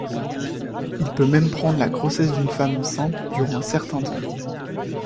Il peut même prendre la grossesse d'une femme enceinte durant un certain temps.